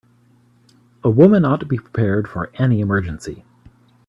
A woman ought to be prepared for any emergency.